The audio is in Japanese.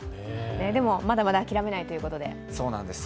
でも、まだまだ諦めないということで。